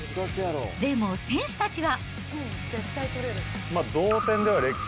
でも選手たちは。